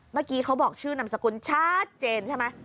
เมื่อกี้เขาบอกชื่อนามสกุลชัดเจนใช่ไหม